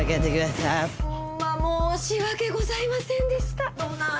ほんま申し訳ございませんでした。